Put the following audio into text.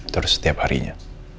terus setiap harinya